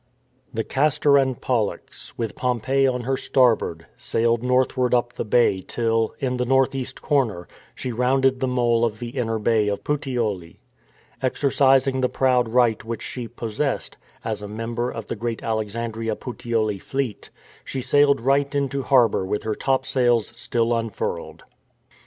The Castor and Pollux, with Pompeii on her star board, sailed northward up the bay till, in the north east corner, she rounded the mole of the inner bay o^ Puteoli. Exercising the proud right which she pos sessed, as a member of the great Alexandria Puteoli fleet, she sailed right into harbour with her topsails still unfurled.